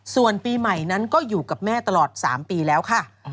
ส่วนปีใหม่นั้นก็อยู่กับแม่ตลอด๓ปีแล้วค่ะ